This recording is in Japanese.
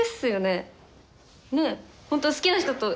ねえ？